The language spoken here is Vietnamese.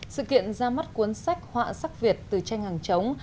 sự kiện ra mắt cuốn sách họa sắc việt từ tranh hàng chống